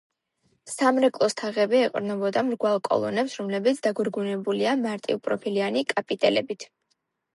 სამრეკლოს თაღები ეყრდნობა მრგვალ კოლონებს, რომლებიც დაგვირგვინებულია მარტივპროფილიანი კაპიტელებით.